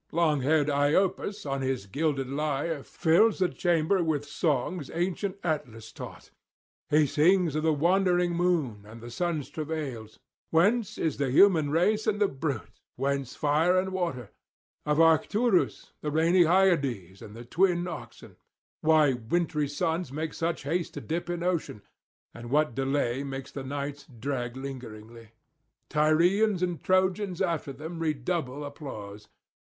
Long haired Iopas on his gilded lyre fills the chamber with songs ancient Atlas taught; he sings of the wandering moon and the sun's travails; whence is the human race and the brute, whence water and fire; of Arcturus, the rainy Hyades, and the twin Oxen; why wintry suns make such haste to dip in ocean, or what delay makes the nights drag lingeringly. Tyrians and Trojans after them redouble applause.